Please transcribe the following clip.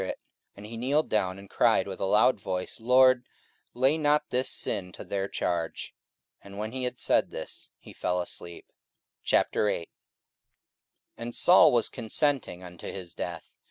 44:007:060 And he kneeled down, and cried with a loud voice, Lord, lay not this sin to their charge. And when he had said this, he fell asleep. 44:008:001 And Saul was consenting unto his death.